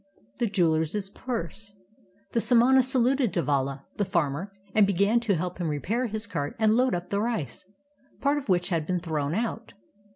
THE jeweler's PURSE The samana saluted Devala, the farmer, and began to help him repair his cart and load up the rice, part of which had been thrown out.